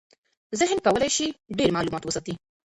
ذهن کولی شي ډېر معلومات وساتي.